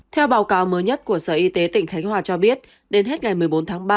theo báo cáo mới nhất của sở y tế tỉnh khánh hòa cho biết đến hết ngày một mươi bốn tháng ba